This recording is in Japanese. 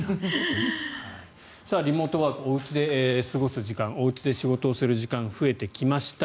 リモートワークお家で過ごす時間おうちで仕事をする時間増えてきました。